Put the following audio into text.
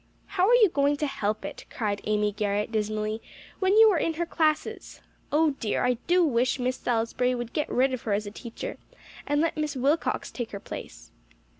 "How are you going to help it," cried Amy Garrett dismally, "when you are in her classes? Oh dear! I do wish Miss Salisbury would get rid of her as a teacher, and let Miss Wilcox take her place."